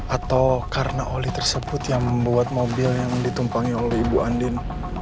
atau karena oli tersebut yang membuat mobil yang ditumpangi oleh ibu andin